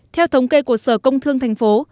theo thống kê của sở công thương thành phố